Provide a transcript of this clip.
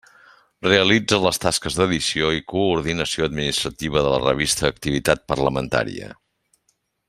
Realitza les tasques d'edició i coordinació administrativa de la revista Activitat parlamentària.